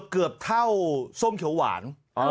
เกือบเท่าส้มเขียวหวาน